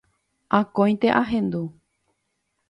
Akóinte ahendu